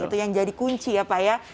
itu yang jadi kunci ya pak ya